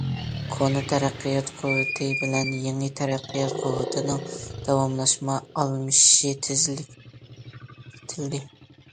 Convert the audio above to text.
كونا تەرەققىيات قۇۋۋىتى بىلەن يېڭى تەرەققىيات قۇۋۋىتىنىڭ داۋاملاشما ئالمىشىشى تېزلىتىلدى.